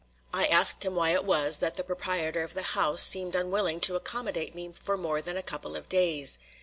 I asked him why it was that the proprietor of the house seemed unwilling to accommodate me for more than a couple of days.